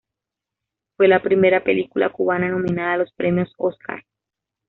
Fue la primera película cubana nominada a los premios Óscar.